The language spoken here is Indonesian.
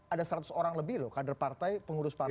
ada seratus orang lebih loh kader partai pengurus partai